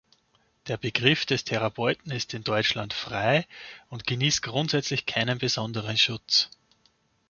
Der Begriff des Therapeuten ist in Deutschland frei und genießt grundsätzlich keinen besonderen Schutz.